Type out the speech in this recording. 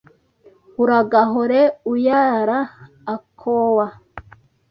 Uragahore uyara akowa